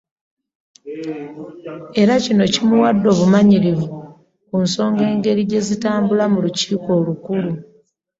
Era kino kimuwadde obumanyirivu ku nsonga engeri gye zitambula mu lukiiiko Olukulu.